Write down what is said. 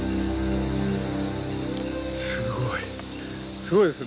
すごいすごいですね。